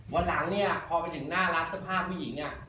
วันหลังเนี่ยพอไปถึงหน้าร้านสภาพผู้หญิง